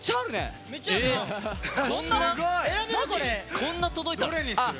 こんな届いたの？